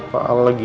dia udah ngomongin